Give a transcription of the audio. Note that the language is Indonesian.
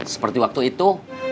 seperti waktu itu